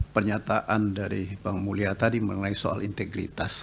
pernyataan dari bang mulya tadi mengenai soal integritas